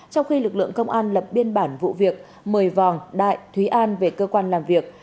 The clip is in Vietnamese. trong khi lực lượng công an lập biên bản vụ việc mời vòng đại thúy an về cơ quan làm việc